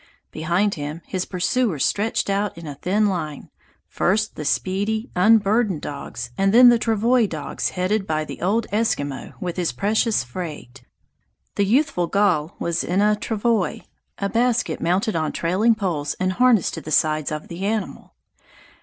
Behind him, his pursuers stretched out in a thin line, first the speedy, unburdened dogs and then the travois dogs headed by the old Eskimo with his precious freight. The youthful Gall was in a travois, a basket mounted on trailing poles and harnessed to the sides of the animal.